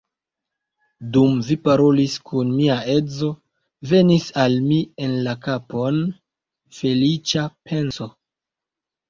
Dum vi parolis kun mia edzo, venis al mi en la kapon feliĉa penso.